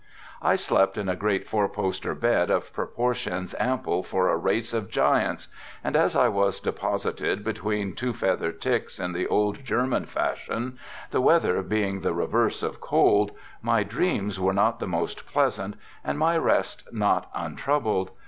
I slept in a great four poster bed of proportions ample for a race of giants, and as I was deposited between two feather ticks in the old German fashion, the weather being the reverse of cold, my dreams were not the most pleasant and my rest not untroubled.